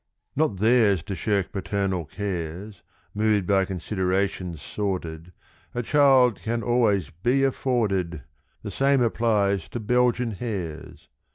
= Not theirs to shirk paternal cares, Moved by considerations sordid, A child can always "be afforded"; The same applies to Belgian hares.